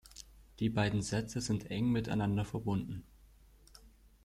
Die beiden Sätze sind eng miteinander verbunden.